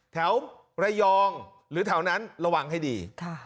แถวระยองหรือแถวนั้นระวังให้ดี